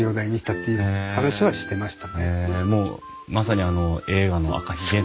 そういう話はしてました。